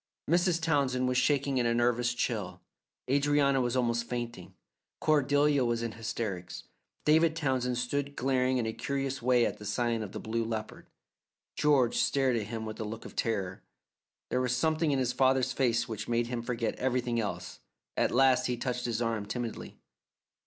Mrs. Townsend was shaking in a nervous chill, Adrianna was almost fainting, Cordelia was in hysterics. David Townsend stood glaring in a curious way at the sign of the Blue Leopard. George stared at him with a look of horror. There was something in his father's face which made him forget everything else. At last he touched his arm timidly.